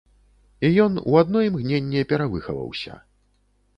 І ён у адно імгненне перавыхаваўся.